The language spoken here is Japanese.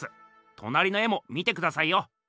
となりの絵も見てくださいよ。